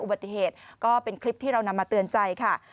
อุบัติเหตุก็เป็นคลิปที่เรานำมาเตือนใจค่ะ